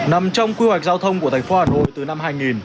nằm trong quy hoạch giao thông của thành phố hà nội từ năm hai nghìn